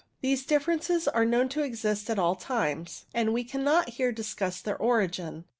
These differences are known to exist at all times, and we cannot here discuss their origin.